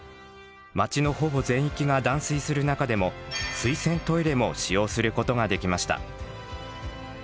町のほぼ全域が断水する中でも水洗トイレも使用することができました。